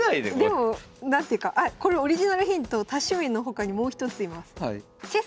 でも何ていうかあこれオリジナルヒント多趣味の他にもう一つ言います。